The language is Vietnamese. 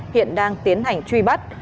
hiện đang tiến hành truy bắt